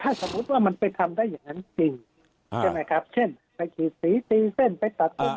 ใช่ไหมถ้าสมมุติว่ามันไปทำได้อย่างนั้นจริง